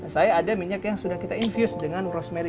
saya ada minyak yang sudah kita infuse dengan rosemary